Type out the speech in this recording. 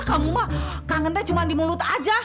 kamu mah kangennya cuma di mulut aja